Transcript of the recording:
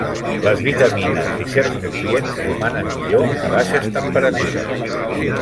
Les vitamines i certs nutrients romanen millor a baixes temperatures.